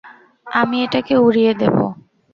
আমি এটাকে উড়িয়ে দেবো।